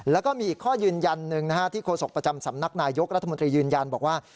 แล้วก็มีอีกข้อยืนยันหนึ่งที่โฆษกประจำสำนักนายยกรัฐมนตรียืนยันบอกว่า